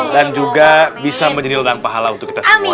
dan juga bisa menjadi lelah dan pahala untuk kita semua